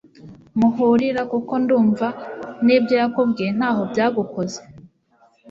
muhurira kuko ndumva nibyo yakubwiye ntaho byagukoze